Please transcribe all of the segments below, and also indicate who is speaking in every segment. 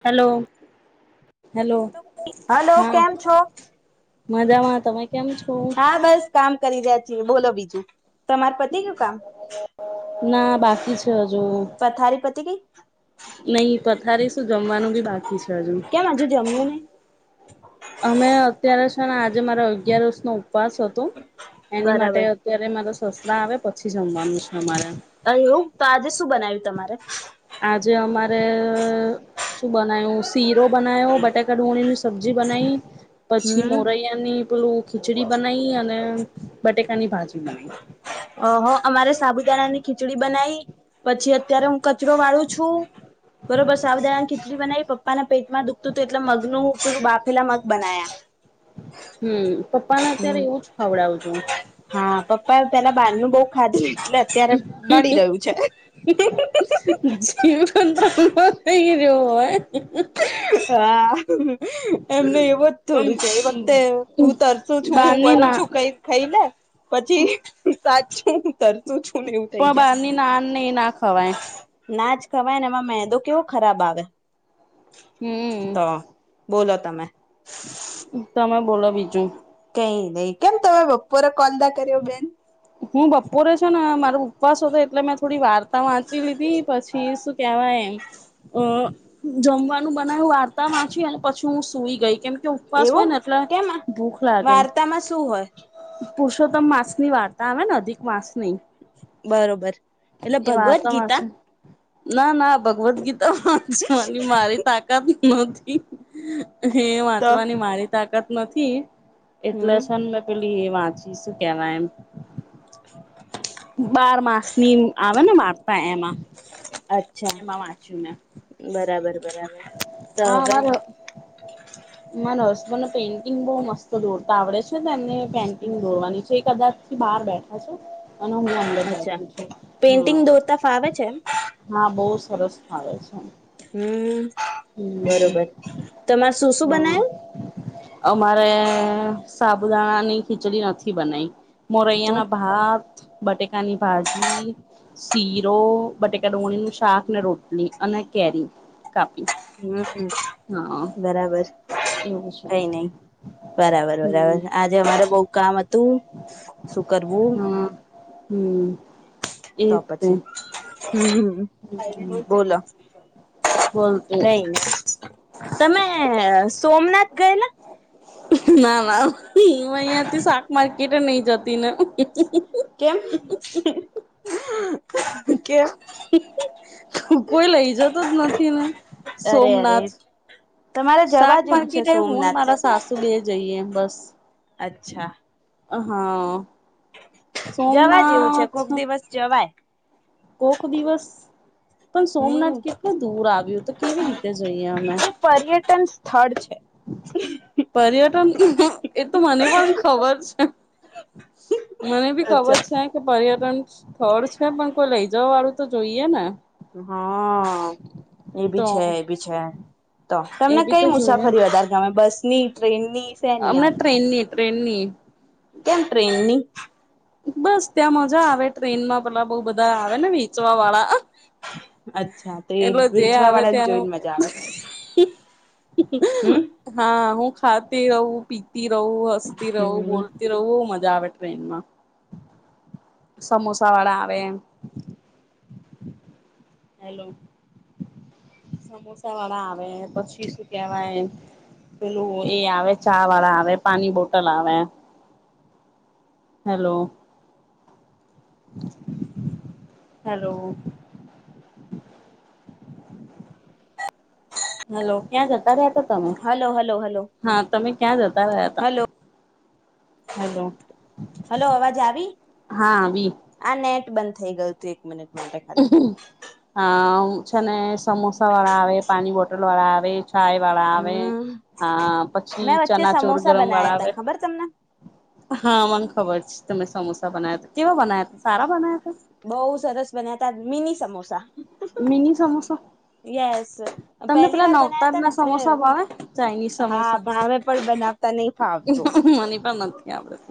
Speaker 1: Hello
Speaker 2: hello કેમ છો
Speaker 1: મજામાં તમે કેમ છો
Speaker 2: હા બસ કામ કરી ર બોલો બીજું તમાર પતિ ગયું કામ?
Speaker 1: ના બાકી છે હજુ
Speaker 2: તી ગઈ.
Speaker 1: નઈ પથારીશ તું જમવાનું બી બાકી છે હજુ.
Speaker 2: કેમ હજુ જમ્યું નહી?
Speaker 1: અમે અત્યારે છેને, આજે મારો અગિયારસનો ઉપવાસ હતો એની માટે
Speaker 2: બરાબર
Speaker 1: અત્યારે [unintelligible] [unintelligible] આવે પછી જમવાનું છે. અમારે
Speaker 2: [unintelligible] તો આજે શું બનાવ્યું તમારે?
Speaker 1: જે અમારે અ શું બનાયુ શીરો બનાયો બટાકા ડુંગણીની સબ્જી બનઈ પછી
Speaker 2: હમ
Speaker 1: મોરૈયા ની પેલું ખીચડી બનાઇ અને બટેકાની ભાજી [inaudible]
Speaker 2: ઓહો અમારે સાબુદાણા ની ખીચડી બનાવી પછી અત્યારે હું કચરો વાળું છું બરોબર સાબુદાણાની ખીચડી બનાવી પપ્પાનાને પેટમાં [unintelligible] એટલે મગનું બાફેલા મગ બનાયા.
Speaker 1: હમ પપ્પાને અત્યારે એવું જ ખવડાવજો
Speaker 2: પપ્પાએ પેલા બહારનું બહુ ખાધું એટલે અત્યારે નડી
Speaker 1: [inaudible]
Speaker 2: રહ્યું છે.
Speaker 1: જીવન [unintelligible] એવું હોય?
Speaker 2: [inaudible] [unintelligible] [unintelligible] એમને એવું જ
Speaker 1: પણ
Speaker 2: થોડું છે, એ વખતે હું તરસું છું, હું
Speaker 1: બહારની
Speaker 2: મરું
Speaker 1: ના
Speaker 2: છું, કઈ ખઈને પછી સાચી તરતું છું ને એવું થઈ
Speaker 1: પણ બહારની નાન ને એ ના ખવાય
Speaker 2: જાય નાજ ખવાય ને એમાં મે તો કેવો ખરાબ આવે.
Speaker 1: હમ
Speaker 2: તો બોલો તમે
Speaker 1: તમે બોલો બીજું
Speaker 2: નહીં, નહી. કેમ તમે બપોરે કોલ ના કર્યો બેન?
Speaker 1: હું બપોરે છે, ને મારો ઉપવાસ હતો એટલે મેં થોડી વાર મેં વાંચી લીધી પછી શું કેહેવાય એમ અ જમવાનું બનાયુ વાર્તા વાંચી અને પછી હું સુઈ ગઈ કેમ? કે ઉપવાસ હોય
Speaker 2: એવું
Speaker 1: ને એટલે
Speaker 2: કેમાં
Speaker 1: ભૂખ
Speaker 2: વાર્તામાં શું હોય
Speaker 1: ો તમ માંસ ની વાર્તા આવે ને અધિક મામાંસ નહી
Speaker 2: બરોબર એટલે ભગવદ્ ગીતા
Speaker 1: વાંચે ના ના [unintelligible] ગીતા વાચવાની મારી તાકાત માકી [unintelligible] હ
Speaker 2: તો
Speaker 1: વાંચવાની મારે તાકાત નથી. એટલે
Speaker 2: હમ
Speaker 1: છેન મે પેલુ એ વાંચી શકે આવા એમ બાર માસ મિમ આવે ને મા પા એમાં
Speaker 2: અચ્છા
Speaker 1: એમાં વાંચ્યું ને
Speaker 2: બરાબર બરાબર તો હવે
Speaker 1: માને હસબન્ નો પેઇન્ટિંગ બોઉ મસ્ત દોરતા આવડે છે શું તમને પેન્ટિંગ દોડવાની છે? કદાચ થી બહાર બેઠા છે અને હું અંદર
Speaker 2: અચ્છા
Speaker 1: બેઠું છું,
Speaker 2: પેઇન્ટિંગ
Speaker 1: હા
Speaker 2: દોરતા ફાવે છે એમ
Speaker 1: હા બોઉ સર સરસ ફાવે છે.
Speaker 2: હમ્મ.
Speaker 1: હમ
Speaker 2: બરોબર તમારે શું શું
Speaker 1: હા
Speaker 2: બનાયું?
Speaker 1: અમારે સાબુદાણા ની ખીચડી નથી બનાયી
Speaker 2: તો
Speaker 1: મોરૈયા ના ભાત બટેકાની ભાજી શીરો બટેકા નું [unintelligible] શાક ને રોટલી અને કેરી. કાપી
Speaker 2: હમ્મ
Speaker 1: હા
Speaker 2: બરાબર
Speaker 1: એવું છે
Speaker 2: કઈ નઈ બરાબર
Speaker 1: હમ
Speaker 2: બરાબર આજે અમારે બઉ કામ હતું શું કરવું?
Speaker 1: હમમ્.
Speaker 2: તો પછી હમ્મ હામ બોલો.
Speaker 1: બોલતી
Speaker 2: કઈ નહીં તમે એ શું સોમનાથ ગયેલા
Speaker 1: હમ ના ના [unintelligible] આમાં અહીયા થી શાક માર્કેટ કિટન નહી જતી ને હુ, હુ, હુ, હુ,
Speaker 2: કેમ
Speaker 1: હુ, હુ, હુ
Speaker 2: [unintelligible]
Speaker 1: હુ, હુ, હુ, કોઈ લઈ જતો જ નથી ને
Speaker 2: અરે અરે
Speaker 1: સોમનાથ
Speaker 2: તમારે જવા
Speaker 1: શાક
Speaker 2: જેવું છે
Speaker 1: માર્કેટ હુંને
Speaker 2: સોમનાથ
Speaker 1: મારા સાસુ બે જઈએ બસ.
Speaker 2: અચ્છા.
Speaker 1: હા
Speaker 2: જવા જેવું છે,
Speaker 1: સોમનાથ
Speaker 2: કોક દિવસ જવાય.
Speaker 1: કોક દિવસ પણ
Speaker 2: હમ
Speaker 1: સોમનાથ કેટલું દૂર આવ્યું તો કેવી રીતે જઈએ અમે.
Speaker 2: એ પર્યટન સ્થળ છે
Speaker 1: પર્યટન એ તો મને પણ ખબર છે મને ભી ખબર
Speaker 2: અચ્છા
Speaker 1: છે કે પ પર્યટન સ્થળ છે પણ ત વાળું તો જોઈએ ને
Speaker 2: હા એ
Speaker 1: તો
Speaker 2: ભી છે એ ભી છે તો તમને કઈ મુસાફરી વધારે ગમે બસની
Speaker 1: હમણા ટ્રેનની ટ્રેનની.
Speaker 2: કેમ ટ્રેનની?
Speaker 1: બસ ત્યાં મજા આવે ટ્રેનમાં પેલા બઉ બધા આવે ને વેંચવા વાળા
Speaker 2: અચ્છા તે
Speaker 1: એટલે જે
Speaker 2: વેચવા
Speaker 1: આવે
Speaker 2: વાળાને
Speaker 1: ત્યાંનું
Speaker 2: જોઈને મજા આવે હમ
Speaker 1: હા, હું ખાતી રહું પી તી રવ, હસતી રહું
Speaker 2: હમ
Speaker 1: બોલતી રહું મજા મજા આવે ટ્રેનમાં. સમોસા વાળા આવે. હેલો, સમોસા વાળા આવે પછી શું કેવાય, પેલું એ આવે ચા વાળા આવે પાની બોટલ આવે, હેલો. હેલો. હલો ક્યાં જતા રયા? તમે,
Speaker 2: હલો હલો હલો
Speaker 1: હા તમે ક્યા જતા રિયાતા.
Speaker 2: Hello
Speaker 1: hello.
Speaker 2: હલો અવાજ આવી,
Speaker 1: હા આવી
Speaker 2: આ નેટ બંધ થઈ ગયું હતું એક મિનિટ માટે ખાલી
Speaker 1: હા છે ને સમોસા વાળા આવે પાણી બોટલ લો વાળા આવે ચાય વાળા આવે
Speaker 2: હમ
Speaker 1: હા પછી
Speaker 2: મેં વચ્ચે
Speaker 1: ચનાચોર
Speaker 2: સમોસા
Speaker 1: ગરમ વાળા
Speaker 2: બનાયા તા
Speaker 1: આવે
Speaker 2: ખબર તમને
Speaker 1: હા મને ખબર છે તમે સમોસા બનાવ્યાતા કેવા બનાયા તા સારા બનાયા તા?
Speaker 2: બહુ સરસ બન્યા તા mini samosa
Speaker 1: mini samosa
Speaker 2: yes
Speaker 1: તમને
Speaker 2: પહેલી
Speaker 1: પેલા
Speaker 2: વાર બનાયા
Speaker 1: નવતાર
Speaker 2: તા ને
Speaker 1: ના સમોસા
Speaker 2: એટલે
Speaker 1: ભાવે ચાાઈનીઝ
Speaker 2: હા
Speaker 1: સમોસા.
Speaker 2: ભાવે પણ બનાવતા નહી ફાવતું
Speaker 1: મની પણ નથી આપડ.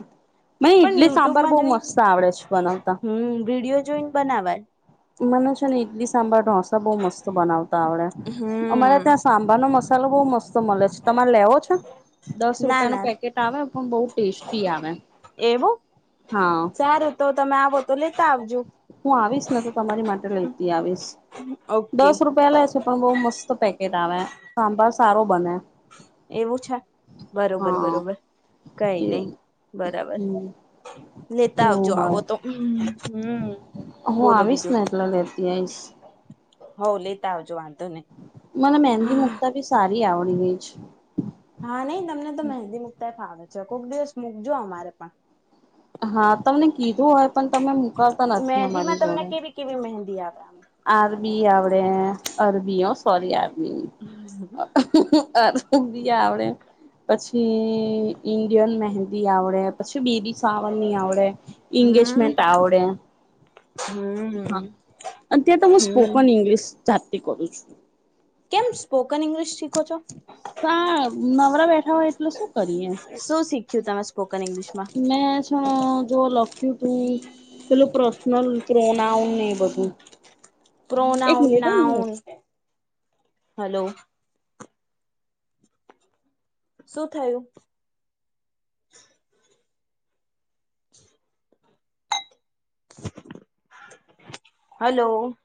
Speaker 2: પણ યુટ્યુબમાં જોઈને
Speaker 1: છે બનાવતા
Speaker 2: હમ્મ વિડિઓ જોઈને બનાવાય.
Speaker 1: મને છે ને ઈડલી સાંભાર ઢોસા બહુ મસ્ત બનાવતા આવડે અમારે
Speaker 2: હમ.
Speaker 1: ત્યાં સાંભાર નો મસ્ત ચાલ બહુ મસ્ત મળે છે તમારે લેવો છે દસ
Speaker 2: ના
Speaker 1: રૂપિયાનું
Speaker 2: ના
Speaker 1: પેકેટ આવે પણ બહુ ટેસ્ટી આવે,
Speaker 2: એવું
Speaker 1: હા.
Speaker 2: સારું તો તમે આવો તો લેતા આવજો.
Speaker 1: હું આવીશ ને તો તમારી માટે લેતી આવીશ
Speaker 2: ઓકે
Speaker 1: દસ રૂપિયા લે છે પણ બઉ મસ્ત પેકેટ આવે સાંભાર સારો બને.
Speaker 2: એવું છે બરોબર
Speaker 1: હા
Speaker 2: બરોબર કઈ
Speaker 1: એ
Speaker 2: નય બરાબર
Speaker 1: હમ
Speaker 2: લેતા આવજો
Speaker 1: એવું
Speaker 2: આવો
Speaker 1: હોય
Speaker 2: તો.
Speaker 1: હું
Speaker 2: બોલો
Speaker 1: આવીશ ને એટલે લેતી આઈશ.
Speaker 2: હવ લેતા આવજો નહી.
Speaker 1: મને મહેંદી
Speaker 2: હા
Speaker 1: મૂક્તા બી સારી આવડી ગઈ છે.
Speaker 2: હા નય તમને તો મહેંદી મુકતાય ફાવે. એકોક દિવસ મૂકજો અમારે પણ.
Speaker 1: હા, તમને કીધું હો પણ તમે મૂકાવતા નથી
Speaker 2: મહેંદી માં
Speaker 1: અમારી
Speaker 2: તમને
Speaker 1: જોડે.
Speaker 2: કેવી [inaudible]
Speaker 1: પર્યા.
Speaker 2: [inaudible]
Speaker 1: [inaudible] પછી ઇન્ડિયન મહેંદી આવડે પછી બેબી સાવરની આવડે,
Speaker 2: હમ.
Speaker 1: એંગેજમેન્ટ આવડે.
Speaker 2: હમ
Speaker 1: [inaudible] અને ત્યાંત
Speaker 2: હમ.
Speaker 1: સ્પોકન ઇંગ્લિશ ચાલુ [inaudible]
Speaker 2: કેમ? સ્પોકન ઇંગ્લિશ શીખો છો
Speaker 1: સા નવરા બેઠા હોય એટલે શું કરીએે
Speaker 2: શું શીખ્યું તમે સ્પોકન ઇંગ્લિશમાં
Speaker 1: મેં છ ન જો લખ્યું પેલુ પ્રસન્લ પ્રોનાઉન ને એ બધું. એક
Speaker 2: પ્રોનાઉન
Speaker 1: મિનિટ હો
Speaker 2: નાઉન. હલો. શું થયું? [inaudible] હલો.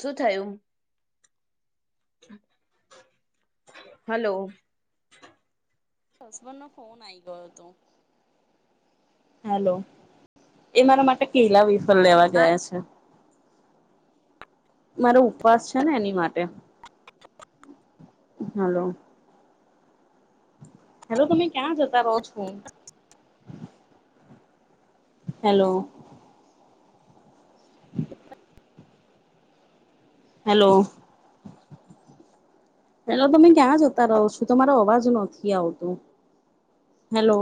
Speaker 2: શું થયું? [inaudible] હલો.
Speaker 1: [inaudible] હલો એ મારા માટે કેલા વેફર લેવા ગયા છે. મારો ઉપવાસ છે ને એની માટે, હલો હેલો તમે ક્યાં જતા રહો છો, હેલો. હેલો હેલો તમે ક્યાં જતા રહો છો તમારો અવાજ નથી આવતો હેલો.